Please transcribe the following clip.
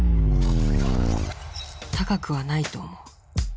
高くはないと思う。